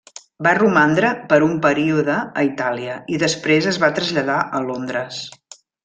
Va romandre per un període a Itàlia i després es va traslladar a Londres.